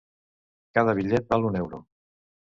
Cada bitllet val un euro.